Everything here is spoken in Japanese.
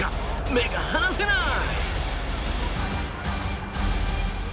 目が離せない！